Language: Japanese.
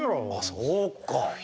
あそうか。